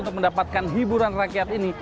untuk mendapatkan hiburan rakyat ini